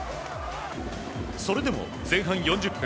それでも前半４０分。